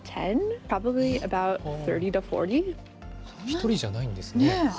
１人じゃないんですね。